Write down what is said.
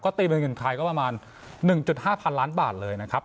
ตีเป็นเงินไทยก็ประมาณ๑๕๐๐๐ล้านบาทเลยนะครับ